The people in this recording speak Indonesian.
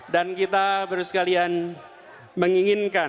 dan kita harus sekalian menginginkan